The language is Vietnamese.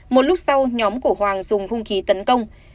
một lúc sau nhóm của hoàng dùng hung khí tấn công